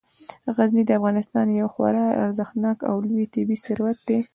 غزني د افغانستان یو خورا ارزښتناک او لوی طبعي ثروت دی.